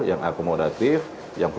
yang akomodatif yang